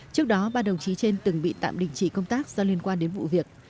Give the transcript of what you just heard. trước đó ba đồng chí trên từng bị tạm đình chỉ công tác do liên quan đến vụ việc